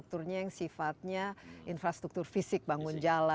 juga termasuk itu